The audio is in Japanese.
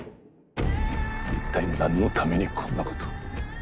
一体何のためにこんなことを。